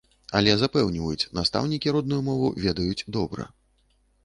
Але запэўніваюць, настаўнікі родную мову ведаюць добра.